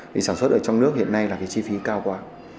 thì sản xuất ở trong nước hiện nay là cái chi phí cao quá